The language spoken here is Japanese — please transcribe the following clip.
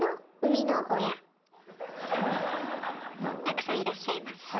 たくさんいらっしゃいます。